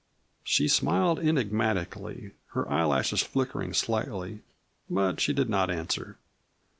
She smiled enigmatically, her eyelashes flickering slightly. But she did not answer.